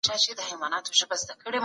حکومت به د خلګو غوښتنو ته غوږ نيسي.